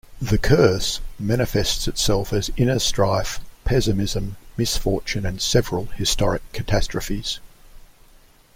The "curse" manifests itself as inner strife, pessimism, misfortune and several historic catastrophes.